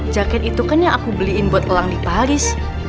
jaket itu kan yang aku beliin buat elang di paris